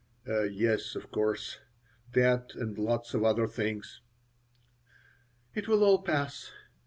"Yes, of course. That and lots of other things." "It will all pass.